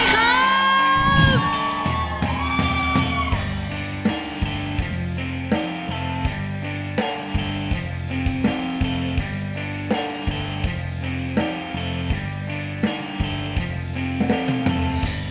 วิทยาลัยศิกษาตอนที่๑ปี๒๐๑๙